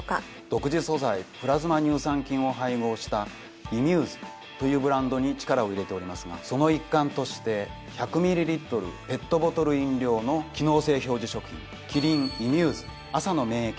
独自素材「プラズマ乳酸菌」を配合した「ｉＭＵＳＥ」というブランドに力を入れておりますがその一環として１００ミリリットルペットボトル飲料の機能性表示食品。